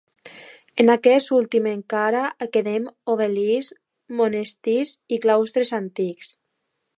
En aquest últim encara queden obeliscs, monestirs i claustres antics.